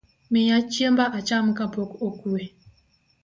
Miya chiemba acham kapok okue.